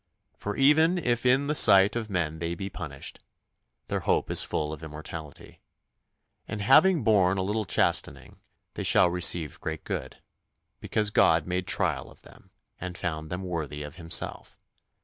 For even if in the sight of men they be punished, Their hope is full of immortality: And having borne a little chastening they shall receive great good; Because God made trial of them, and found them worthy of Himself.